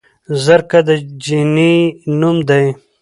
زرکه د جينۍ نوم دے